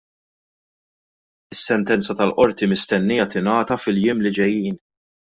Is-sentenza tal-qorti mistennija tingħata fil-jiem li ġejjin.